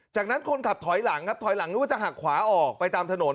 จากนั้นคนขับถอยหลังครับถอยหลังนึกว่าจะหักขวาออกไปตามถนน